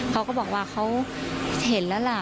เขาก็บอกว่าเขาเห็นแล้วล่ะ